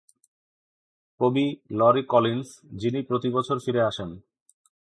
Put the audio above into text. কবি Lori Collins, যিনি প্রতি বছর ফিরে আসেন।